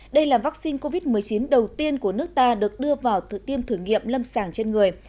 đây là vaccine covid một mươi chín đầu tiên của nước ta được đưa vào tự tiêm thử nghiệm lâm sàng trên người